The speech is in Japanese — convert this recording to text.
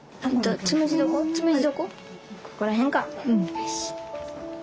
よし！